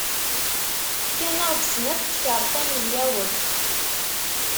Fkan-aɣ-d snat n tkaṛtin n lyawert.